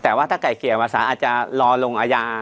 แต่ว่าถ้าไก่เกลี่ยมาสารอาจจะรอลงอาญา